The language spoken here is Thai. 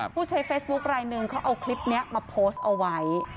ผู้ใช้เฟซบุ๊คลายหนึ่งเขาเอาคลิปนี้มาโพสต์เอาไว้